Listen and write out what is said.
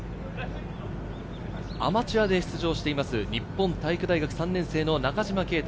アマチュアで出場しています、日本体育大学３年生の中島啓太。